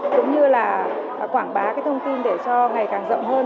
cũng như là quảng bá cái thông tin để cho ngày càng rộng hơn